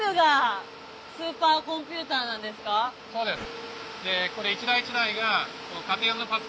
そうです。